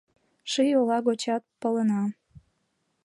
Ший ола гочат палена.